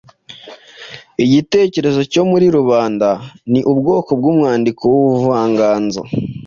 Igitekerezo cyo muri rubanda ni ubwoko bw’umwandiko w’ubuvanganzo